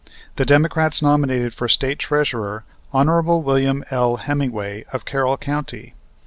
The Democrats nominated for State Treasurer Hon. Wm. L. Hemmingway, of Carroll County.